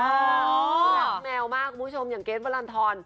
จริงแมวมากคุณผู้ภูมิอย่างเกศวรรณฑร